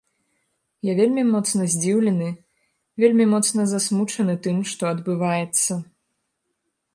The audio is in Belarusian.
Я вельмі моцна здзіўлены, вельмі моцна засмучаны тым, што адбываецца.